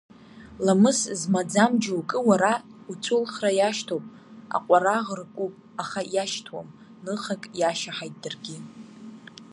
Ламыс змаӡам џьоукгьы уара уҵәылхра иашьҭоуп, аҟәараӷ ркуп, аха иашьҭуам, ныхак иашьаҳаит даргьы.